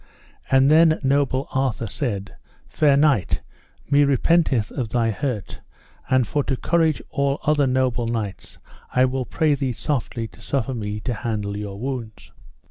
And then noble Arthur said: Fair knight, me repenteth of thy hurt, and for to courage all other noble knights I will pray thee softly to suffer me to handle your wounds.